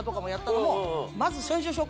まず。